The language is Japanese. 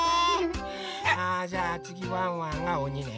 あじゃあつぎワンワンがおにね。